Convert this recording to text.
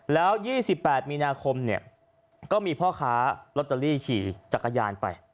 แล้ว๒๘มีนาคมเนี่ยก็มีพ่อค้าลอตเตอรี่ขี่จักรยานไป